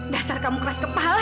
dasar kamu keras kepala